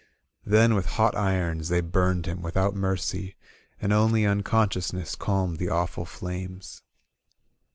Then with hot irons They burned him without mercy And only unconsciousness Calmed the awful flames.